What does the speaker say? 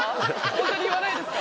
ホントに言わないですか？